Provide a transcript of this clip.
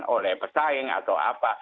oleh pesaing atau apa